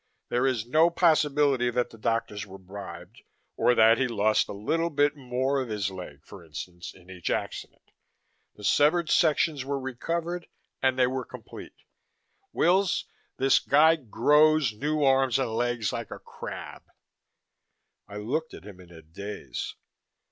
There is no possibility that the doctors were bribed, or that he lost a little bit more of his leg, for instance, in each accident the severed sections were recovered, and they were complete. Wills, this guy grows new arms and legs like a crab!" I looked at him in a daze.